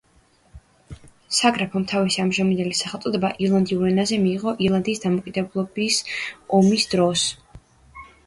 საგრაფომ თავისი ამჟამინდელი სახელწოდება ირლანდიურ ენაზე მიიღო ირლანდიის დამოუკიდებლობისთვის ომის დროს.